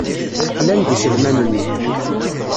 Qlan-d iselman-nni.